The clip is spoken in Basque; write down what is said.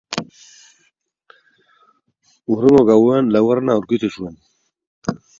Hurrengo gauean laugarrena aurkitu zuen.